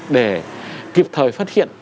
để kịp thời phát hiện